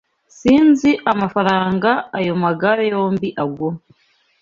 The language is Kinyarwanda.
Sinzi amafaranga ayo magare yombi agura.